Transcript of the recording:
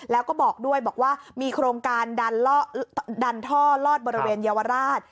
แล้วก็บอกด้วยบอกว่ามีโครงการดันท่อลอดบริเวณเยาวราช